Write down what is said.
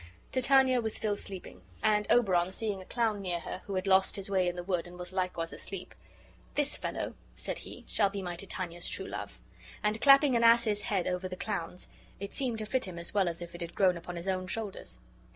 Titania was still sleeping, and Oberon, seeing a clown near her who had lost his way in the wood and was likewise asleep, "This fellow," said he, "shall be my Titania's true love"; and clapping an ass's head over the clown's, it seemed to fit him as well as if it had grown upon his own shoulders.